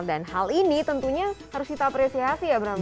dan hal ini tentunya harus kita apresiasi ya bram